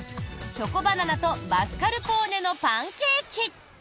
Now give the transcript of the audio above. チョコバナナとマスカルポーネのパンケーキ。